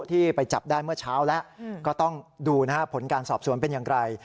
ที่ไปจับได้เมื่อเช้าแล้วก็ต้องดูนะฮะผลการสอบสวนเป็นอย่างไร